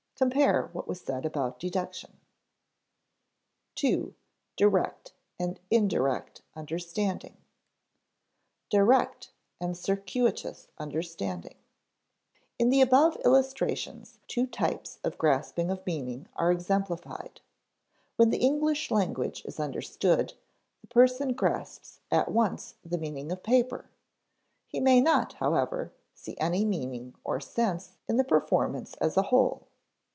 (Compare what was said about deduction, p. 94.) II. DIRECT AND INDIRECT UNDERSTANDING [Sidenote: Direct and circuitous understanding] In the above illustrations two types of grasping of meaning are exemplified. When the English language is understood, the person grasps at once the meaning of "paper." He may not, however, see any meaning or sense in the performance as a whole.